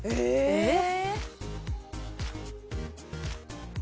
えっ？